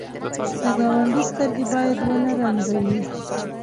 د ګاونډي سترګې باید ونه رنځوې